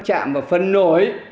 chạm vào phần nổi